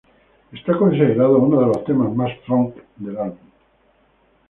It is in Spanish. Es considerado uno de los temas más "funk" del álbum.